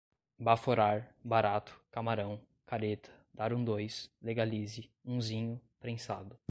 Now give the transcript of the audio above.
baforar, barato, camarão, careta, dar um dois, legalize, unzinho, prensado